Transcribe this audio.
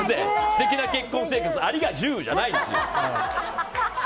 素敵な結婚生活ありがジュ！じゃないですよ。